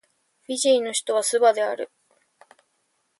フィジーの首都はスバである